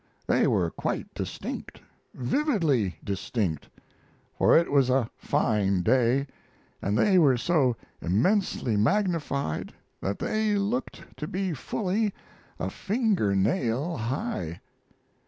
They were quite distinct, vividly distinct, for it was a fine day, and they were so immensely magnified that they looked to be fully a finger nail high.